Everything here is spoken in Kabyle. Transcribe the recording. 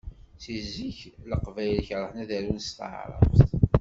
Seg zik Leqbayel kerhen ad arun s taɛrabt.